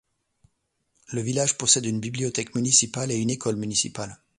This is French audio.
Le village possède une bibliothèque municipale et une école municipale.